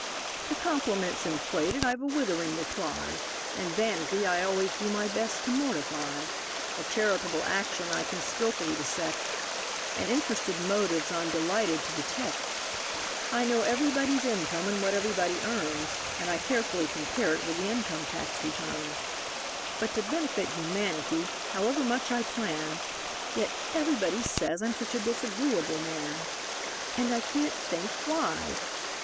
To compliments inflated I've a withering reply; And vanity I always do my best to mortify; A charitable action I can skilfully dissect: And interested motives I'm delighted to detect. I know everybody's income and what everybody earns, And I carefully compare it with the income tax returns; But to benefit humanity, however much I plan, Yet everybody says I'm such a disagreeable man! And I can't think why!